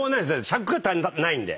尺が足りないんで。